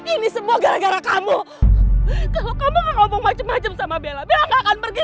ini semua gara gara kamu kalau kamu ngomong macam macam sama bella kamu akan pergi